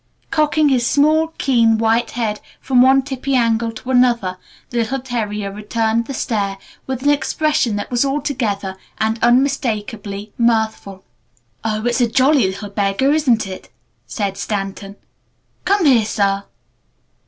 Cocking his small, keen, white head from one tippy angle to another, the little terrier returned the stare with an expression that was altogether and unmistakably mirthful. "Oh, it's a jolly little beggar, isn't it?" said Stanton. "Come here, sir!"